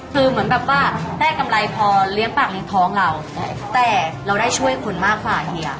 คือเหมือนแบบว่าได้กำไรพอเลี้ยงปากเลี้ยงท้องเราแต่เราได้ช่วยคนมากกว่าเฮีย